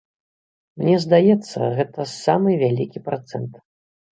Мне здаецца, гэта самы вялікі працэнт.